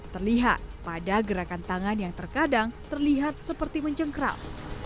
terlihat pada gerakan tangan yang terkadang terlihat seperti mencengkram